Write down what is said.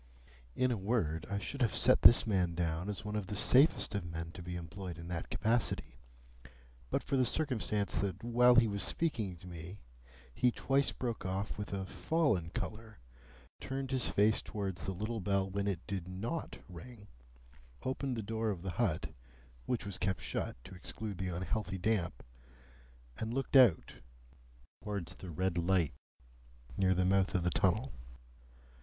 In a word, I should have set this man down as one of the safest of men to be employed in that capacity, but for the circumstance that while he was speaking to me he twice broke off with a fallen colour, turned his face towards the little bell when it did NOT ring, opened the door of the hut (which was kept shut to exclude the unhealthy damp), and looked out towards the red light near the mouth of the tunnel.